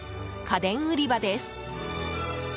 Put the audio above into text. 家電売り場です。